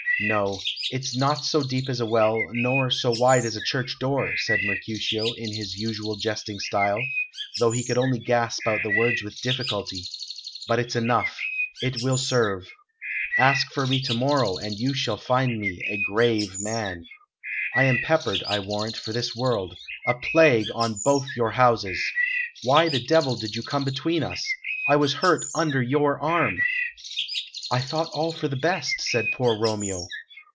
"No, it's not so deep as a well, nor so wide as a church door," said Mercutio, in his usual jesting style, though he could only gasp out the words with difficulty; "but it's enough; it will serve. Ask for me to morrow, and you shall find me a grave man. I am peppered, I warrant, for this world.... A plague on both your houses!... Why the devil did you come between us? I was hurt under your arm." "I thought all for the best," said poor Romeo.